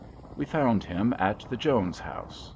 We found him at the Jones House.